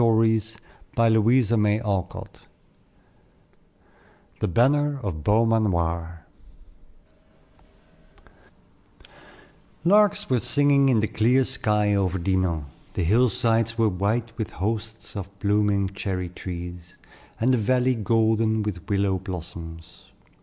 The Banner of Beaumanior Larks were singing in the clear sky over Dinan, the hill sides were white with hosts of blooming cherry trees, and the valley golden with willow blossoms.